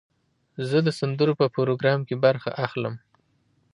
زه د سندرو په پروګرام کې برخه اخلم.